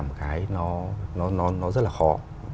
một cái nó rất là khó